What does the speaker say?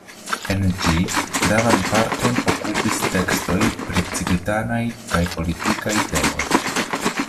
En ĝi gravan parton okupis tekstoj pri civitanaj kaj politikaj temoj.